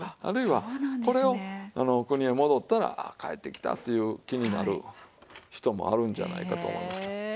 あるいはこれをお国へ戻ったらああ帰ってきたっていう気になる人もあるんじゃないかと思いますけど。